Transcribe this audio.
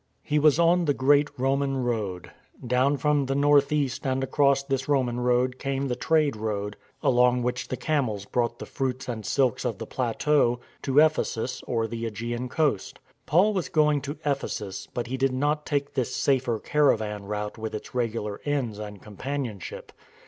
^ He was on the great Roman road. Down from the north east and across this Roman road came the trade road along which the camels brought the fruits and silks of the plateau to Ephesus or the yEgean coast. Paul was going to Ephesus, but he did not take this safer caravan route with its regular inns and companionship.